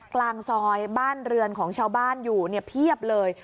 กลางซอยบ้านเรือนของชาวบ้านอยู่เพียบเลย